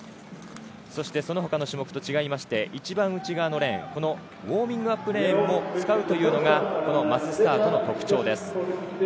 そしてその他の種目と違いまして、一番内側のレーン、ウオーミングアップレーンも使うというのが、このマススタートの特徴です。